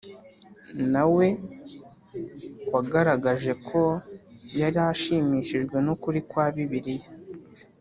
Na we wagaragaje ko yari ashimishijwe n ukuri kwa bibiliya